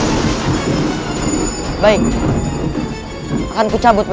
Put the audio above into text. dengan cara kau merindah menjadi anwen